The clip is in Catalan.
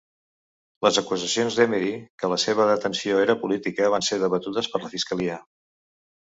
Les acusacions d'Emery que la seva detenció era política van ser debatudes per la fiscalia.